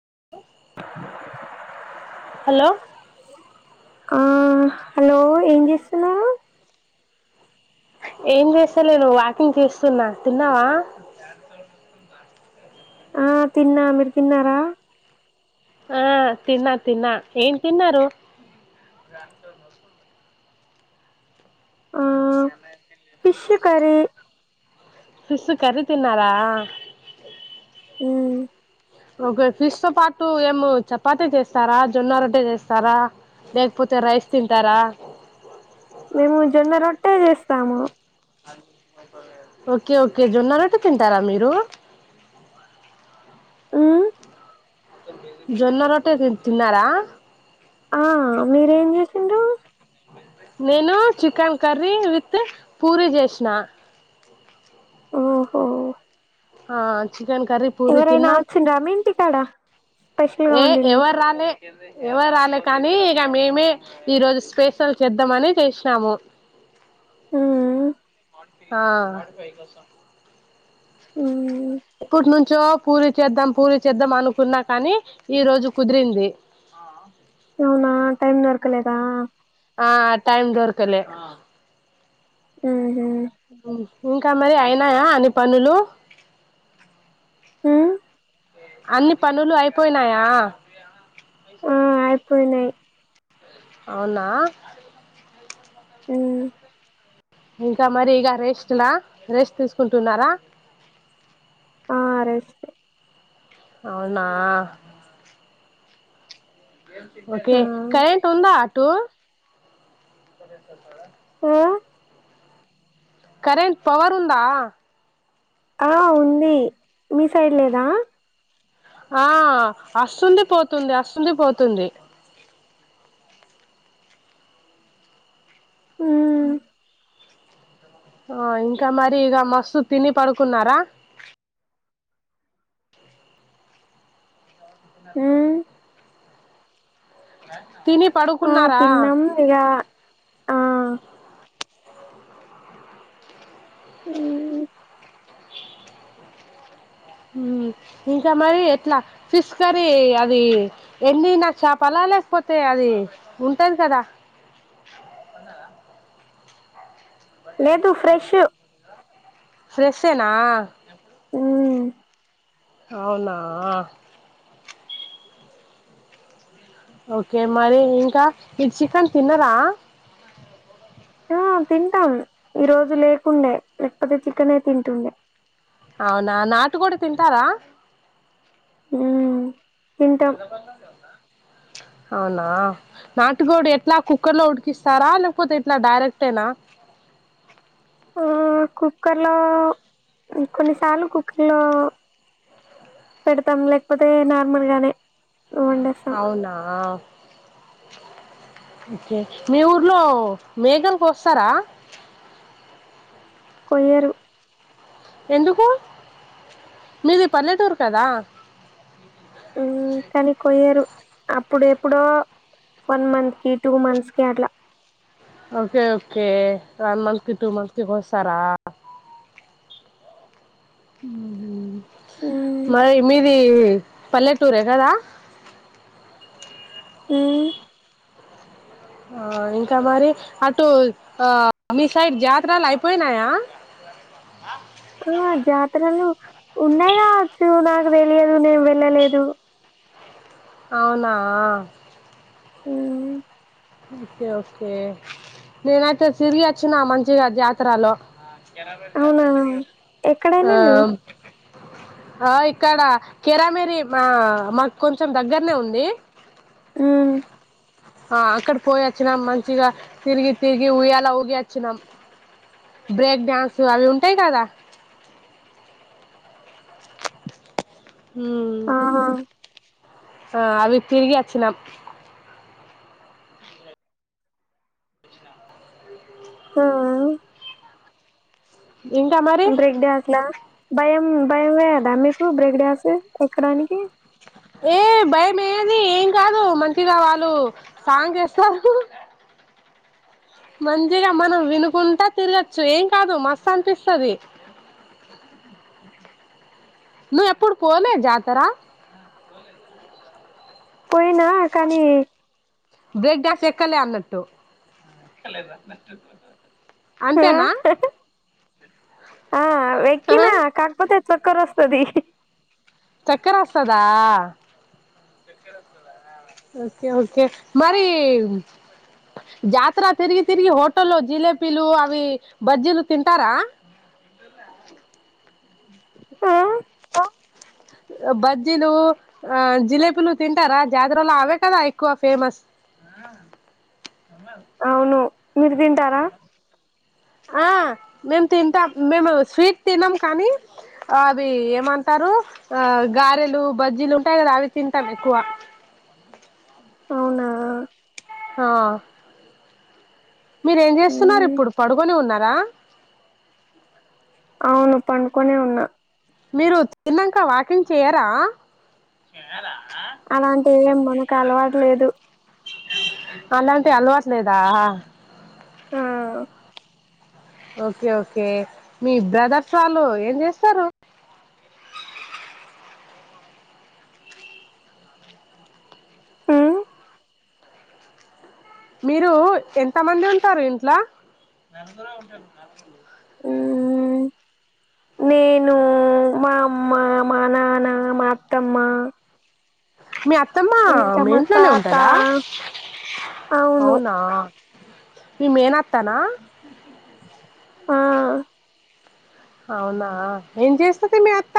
హ హలో ఆ హలో ఏం చేస్తున్నారు ఏం చేస్తాలేను వాకింగ్ చేస్తున్నా తిన్నావా ఆ తిన్నా మీరు తిన్నారా ఆ తిన్నా తిన్నా ఏన్ తిన్నరు ఆ ఫిష్ కర్రీ [unintelligible] ఫిష్ కర్రీ తిన్నారా ఊ ఒకే ఫిష్ తో పాటు ఏమో చపాతి చేస్తారా జొన్న రొట్టె చేస్తారా లేకపోతే రైస్ తింటారా మేము జొన్న రొట్టే చేస్ ఓకే ఓకే జొన్న రొట్టె తింటారా, మీరు మ్మ్ జొన్న రొట్టె తిన్ తిన్నారా ఆ మీరేం చేసిండ్రు నేను చికెన్ కర్రీ విత్ పూరి జేసినా ఓహో ఆన్ చికెన్ కర్రీ పూరి ఎవరైనా తిన్నాం, వచ్చిండ్రా మీ ఇంటికాడ స్పెషల్ గా ఏ వండిండ్రు ఎవరు రాలే ఎవరు రాలే కానీ ఇగ మేమే ఈ రోజు స్పెషల్ చేద్దామని చేసినాము మ్మ్ ఆ మ్మ్ ఎప్పుటి నుంచో పూరి చేద్దాం పూరి చేద్దాం అనుకున్నా కాని ఈ రోజు కుదిరింది. టైమ్ దొరకలేదా ఆ టైమ్ దొరకలే హ్మ్ ఉమ్ ఇంకా మరి అయినాయా అన్ని పనులు మ్మ్ అన్ని పనులు అయిపోయినాయా ఆ అయిపోయినాయ్ అవునా హ్మ్ ఇంకా మరి ఇర రెస్ట్లా రెస్ట్ తీసుకుంటున్నారా బోష్ట అవునా ఓకే ఆ కరెంట్ ఉందా టూ ఆ కరెంట్ పవర్ ఉందా ఆ ఉంది మీ సైడ్ లేదా ఆ వస్తుంది పోతుంది వస్తుంది పోతుంది మ్మ్ హ్మ్ ఆ ఇంకా మరి ఇక మస్తు తిని పడుకున్నారా అ ఆ ఆ తిన్నాం ఇక ఆ హ హ్మ్ ఇంకా మరి ఎట్లా ఫిష్ కర్రీ అది ఎండిన చాపల లేకపోతే అది ఉంటది కదా లేదు ఫ్రెష్ [unintelligible] ఫ్రెషనా మ్మ్ అవునా ఓకే మరి ఇంకా మీర్ చికెన్ తినరా ఆ తింటాము ఈ రోజు లేకుండే లేకపోతే చికెనే తింటుండే అవునా నాటు కోడి తింటారా ఉమ్మ్ [unintelligible] అవునా నాటుకోడి ఎట్లా కుక్కర్ లో ఉడికిస్తారా లేకపోతే ఎట్లా డైరెక్టేనా ఆ కుక్కర్లో కొన్నిసార్లు కుక్కర్లో పెడతం లేకపోతే నార్మల్గానే అవునా ఒకే మీ ఊర్లో మేకలుకొస్తారా కొయ్యరు ఎందుకు మీది పల్లెటూరు కదా ఉమ్ కని కొయ్యరు అప్పుడు ఎప్పుడో వన్ మంత్ కి టూ మంత్స్ కి అట్లా ఓకే ఓకే వన్ మంత్ కి టూ మంత్ కి కొస్తరా మ్మ్ మరి మీదీ పల్లె టూరె కదా హ్మ్ ఆ ఇంకా మరి అటు ఆ మీ సైడ్ జాత్రాలు అయిపోయినాయా ఆ జాతరలు ఉన్నాయ్ కాచ్చు నాకు తెలియదు నేను వెళ్ళలేదు అవునా ఉమ్మ్ ఒకె ఓకే నేనైతే తిరిగి అచ్చినా మంచిగా జాతరాలో అవునా ఎక్కడ ఎల్లిండు ఆమ్ ఆ ఇక్కడ కేరామెరి మా మాకు కొంచెం దగ్గరనే ఉందీ ఉమ్మ్ ఆ అక్కడ్ పోయచ్చినాం మంచిగా తిరిగి తిరిగి ఉయ్యలా ఊగి ఒచ్చినాం బ్రేక్ డ్యాన్సుల్ అవి ఉంటాయ్ కదా ఉమ్ ఆహా ఆ అవి తిరిగి అచ్చినాం ఆ ఆ ఇంకా మరి బ్రేక్ డాస్లా భయం భయమేయద మీకు బ్రెక్ డాస్లు ఎక్కడానికి ఏ భయం ఏది ఏం కాదు మంచిగా వాళ్ళు సాంగ్ ఎస్తరు మంచిగ మనం వినుకుంట తిరగొచ్చు ఏం కాదు మస్తు అనిపిస్తుది నువ్ ఎప్పుడు పోలే జాతర పోయినా కానీ బ్రేక్ డాన్స్ కలెఅన్నట్టు ఆ ఆ ఆ వెక్కినా కక్పోతే చక్కరొస్తది చక్కర ఒస్తందా ఓకే ఓకే మరి జాతర తిరిగి తిరిగి హోటల్లో జిలేబీలు అవి బజ్జీలు తింటారా ఆ బజ్జీలు ఆ జిలేబీలు తింటారా జాతరలో అవే కదా ఎక్కువ ఫేమస్ ల అవును మీరు తింటారా ఆ మేము తింటాం మేము స్వీట్ తిన్నాం కానీ అవి ఏమంటారు ఆ గారెలు బజ్జీలు ఉంటాయి కదా అవి తింటాం ఎక్కువ అవునా హ మీరేం చేస్తున్నారు ఉమ్ ఇప్పుడు పడుకొని ఉన్నారా అవును పండుకొనే ఉన్నా మీరు తిన్నాక వాకింగ్ చేయరా అలాంటి ఏం మనకు అలవాటులేదు అలాంటి అలవట్లేదా ఆ ఓకే ఓకే మీ బ్రదర్స్ వాళ్ళు ఏం చేస్తారు ఉమ్ మీరు ఎంత మంది ఉంటారు ఇంట్లా ఉమ్ నేను మా అమ్మ మా నాన్న మా అత్తమ్మ మీ త్తమ్మా ఇంకా మీ మా ఇంట్లోనే తాత ఉంటదా అవును అవునా మీ మేనత్తనా ఆ అవునా ఏం చేస్తది మీ అత్త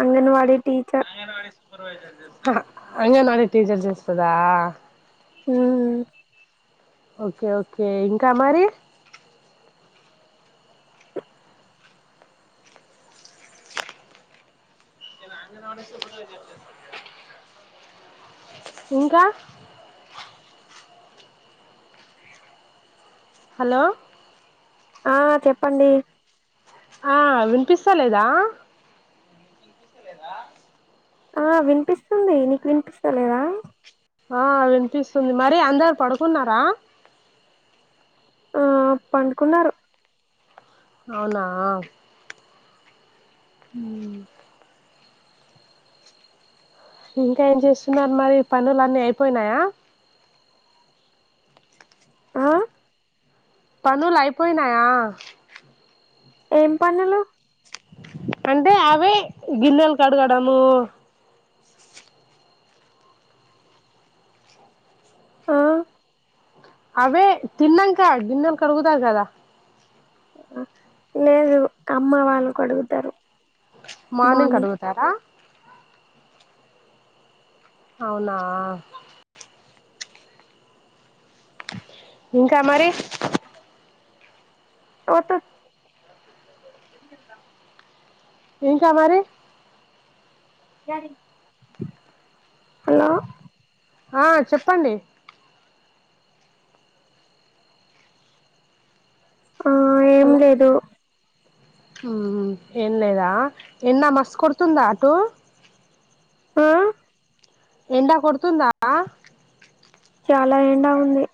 అంగన్వాడి ఆంగణవాడిీ సపర్వాైజర్ చేస్త అంగన్వాడి టీచర్ చేస్తాద ఉమ్ ఓకే ఓకే ఇంకా మరి న ఇంకా హలో ఆ చెప్పండి ఆ వినిపిస్తా లేదా లేదా ఆ వినిపిస్తుంది నీకు వినిపిస్తా లేదా ఆ వినిపిస్తుంది మరి అందరు పడుకున్నారా ఆ పండుకున్నారు అవునా అ ఇంకా ఏం చేస్తున్నారు మరి పనులు అన్నీ అయిపోయినాయా ఆ పనులు అయిపోయినాయా ఏం పనులు అంటే అవి గిన్నెలు కడగడము ఆ అవే తిన్నాంక గిన్నెలు కడుగుతారు కదా లేదు అమ్మ వాళ్ళు అడుగుతారు మార్నింగ్ కడుగుతారా అవునా ఇంకా మరి ఓత ఇంకా మరి హలో ఆ చెప్పండి ఆ ఏం లేదు ఉమ్ ఏం లేదా ఎండ మస్తు కొడుతుందా అటు ఆ ఎండ కొడుతుందా చాలా ఎండా ఉంది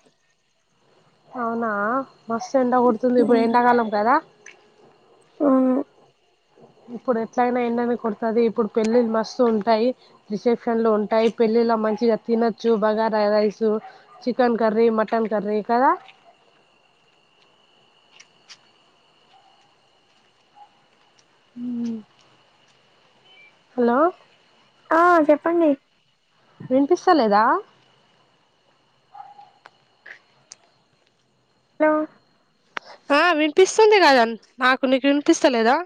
అవునా మస్తు ఎండ కుడుతుంది ఇప్పుడు ఎండాకాలం కదా ఆ ఇప్పుడు ఎట్లయినా ఎండనే కొడుతది ఇప్పుడు పెళ్ళిళ్లు మస్తు ఉంటాయి రిసెప్షన్లు ఉంటాయి పెళ్ళిళ్ళ మంచిగా తినొచ్చు bagara rice chicken curry mutton curry కదా హలో ఆ చెప్పండి వినిపిస్తా లేదా హలో ఆ వినిపిస్తుంది కదా నాకు నీకు వినిపిస్తలేదా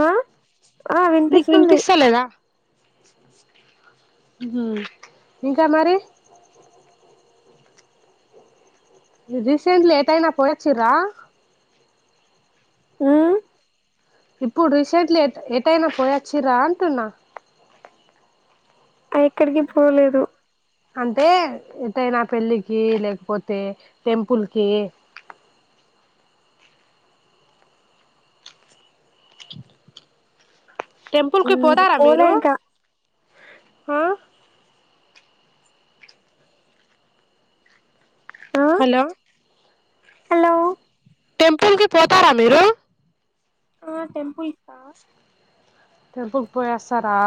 ఆ ఆ నీకు వినిపిస్తుంది వినిపిస్తా లేదా ఉమ్ ఇంకా మరి థీసిస్ లేట్ అయిన పోయిచిల్ల ఉమ్ ఇప్పుడు రీసెంట్లీ ఎటైనా పోయాచ్చరా అంటున్నా ఎక్కడికి పోలేదు అంటే ఎదైనా పెళ్ళికి లేకపోతే టెంపుల్కికి టెంపుల్ కి ఉమ్ పోతారా పోలే మీరు ఇంకా ఆ ఆ హలో హలో టెంపుల్ కి పోతారా మీరు ఆ టెంపుల్ కా టెంపుల్క్ పోయొస్తారా